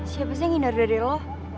siapa sih yang ngindar dari lo